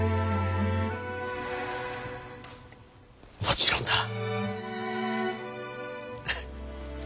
もちろんだ。